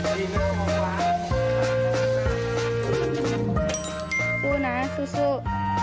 สู้นะสู้สู้